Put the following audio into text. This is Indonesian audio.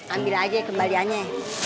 ambil aja kembaliannya